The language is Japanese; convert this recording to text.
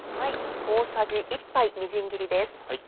大さじ１杯みじん切りです。